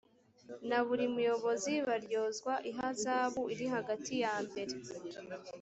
na buri muyobozi baryozwa ihazabu iri hagati yambere